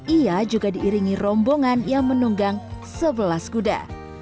ia juga diiringi rombongan yang menunggang sebelas kuda